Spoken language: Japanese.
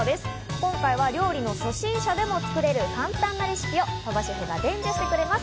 今回は料理の初心者でも作れる簡単なレシピを鳥羽シェフが伝授してくれます。